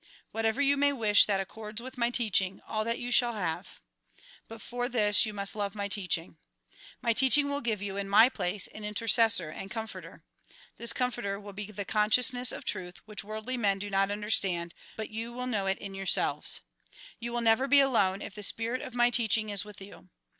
Whatever you may wish that accords with my teaching, all that you shall have. But for this you must love my teaching. My teaching will give you, in my place, an intercessor and comforter. This comforter will be the con Jn. X iv. 4, 5. THE FAREWELL DISCOURSE 139 Jn. xiv. 18. 19. 20. 22. 23. sciousness of truth, which worldly men do not understand ; but you will know it in yourselves. You never will be alone, if the spirit of my teaching is with you.